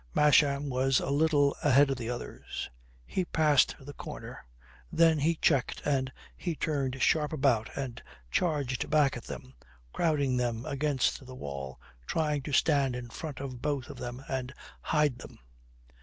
Masham was a little ahead of the others. He passed the corner. Then he checked and he turned sharp about and charged back on them, crowding them against the wall, trying to stand in front of both of them and hide them.